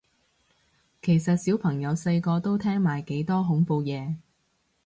其實小朋友細個都聽埋幾多恐怖嘢